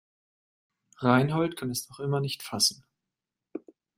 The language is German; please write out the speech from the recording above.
Reinhold kann es noch immer nicht fassen.